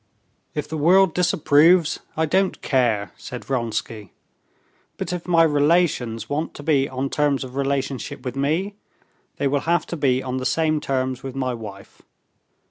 "If the world disapproves, I don't care," said Vronsky; "but if my relations want to be on terms of relationship with me, they will have to be on the same terms with my wife."